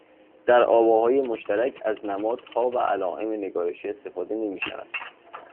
در آواهای مشترک از نمادها و علائم نگارشی استفاده نمیشود